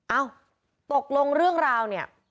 เอ้าตกลงเรื่องราวเนี่ย